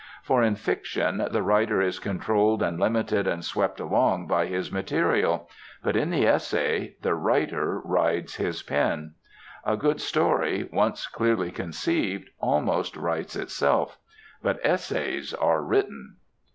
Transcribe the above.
For in fiction the writer is controlled and limited and swept along by his material; but in the essay, the writer rides his pen. A good story, once clearly conceived, almost writes itself; but essays are written.